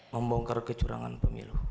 membongkar kecurangan pemilu